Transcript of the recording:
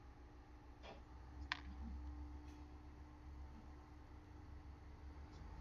kwa namna gani ama nini nafasi ya bunge katika kuhakikisha